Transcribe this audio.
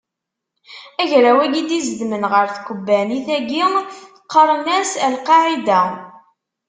Agraw-agi i d-izedmen ɣer tkebbanit-agi qqaren-asen Al qqaɛida.